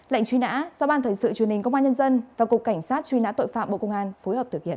lệnh truy nã do ban thời sự truyền hình công an nhân dân và cục cảnh sát truy nã tội phạm bộ công an phối hợp thực hiện